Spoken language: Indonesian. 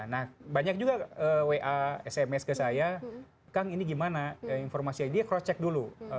nah banyak juga wa sms ke saya kang ini gimana informasi dia cross check dulu